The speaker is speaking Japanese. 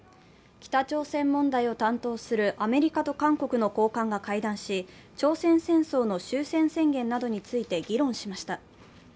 北朝鮮問題を担当するアメリカと韓国の高官が会談し、朝鮮戦争の終戦宣言などについて議論しました。